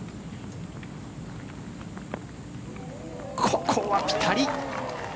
ここはピタリ。